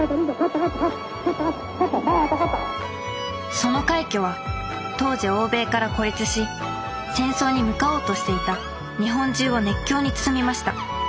その快挙は当時欧米から孤立し戦争に向かおうとしていた日本中を熱狂に包みました。